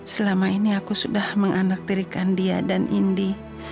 selama ini aku sudah menganaktirikan dia dan indi